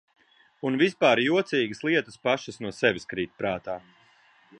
Un vispār jocīgas lietas pašas no sevis krīt prātā.